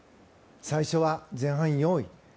最初、前半４位。